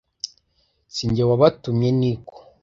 Si jye wabatumye ni ko